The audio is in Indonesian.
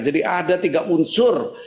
jadi ada tiga unsur